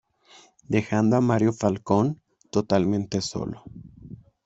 Dejando a Mario Falcone totalmente solo.